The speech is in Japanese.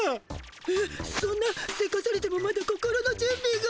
えっそんなせかされてもまだ心のじゅんびが。